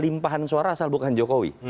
limpahan suara asal bukan jokowi